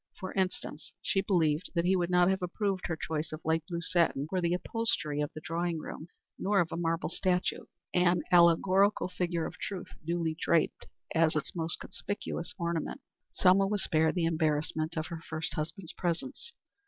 For instance, she believed that he would not have approved her choice of light blue satin for the upholstery of the drawing room, nor of a marble statue an allegorical figure of Truth, duly draped, as its most conspicuous ornament. Selma was spared the embarrassment of her first husband's presence.